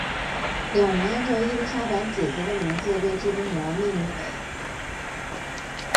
两人按照伊丽莎白姐姐的名字为这个女儿命名为。